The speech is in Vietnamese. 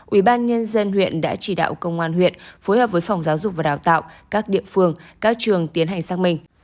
ủy ban nhân dân huyện đã chỉ đạo công an huyện phối hợp với phòng giáo dục và đào tạo các địa phương các trường tiến hành xác minh